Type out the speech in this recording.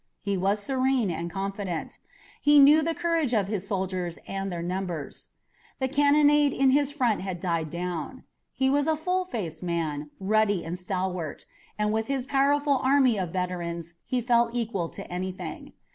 He was serene and confident. He knew the courage of his soldiers and their numbers. The cannonade in his front had died down. He was a full faced man, ruddy and stalwart, and with his powerful army of veterans he felt equal to anything.